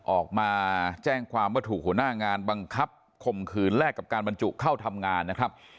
ออกมาแจ้งความว่าถูกหัวหน้างานบังคับข่มขืนแลกกับการบรรจุเข้าทำงานนะครับ